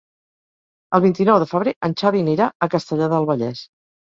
El vint-i-nou de febrer en Xavi anirà a Castellar del Vallès.